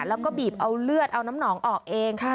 แล้วก็บีบเอาเลือดเอาน้ำหนองออกเอง